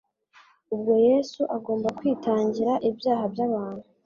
ubwo Yesu agomba kwitangira ibyaha by'abantu